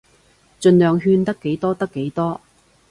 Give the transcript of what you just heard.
儘量勸得幾多得幾多